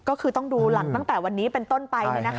ก็คือต้องดูหลังตั้งแต่วันนี้เป็นต้นไป